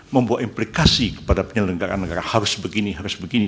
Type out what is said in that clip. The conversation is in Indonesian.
membuat implikasi kepada penyelenggaraan negara harus begini harus begini